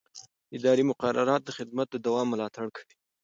اداري مقررات د خدمت د دوام ملاتړ کوي.